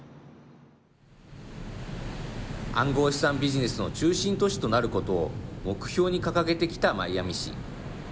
暗号資産ビジネスの中心都市となることを目標に掲げてきたマイアミ市。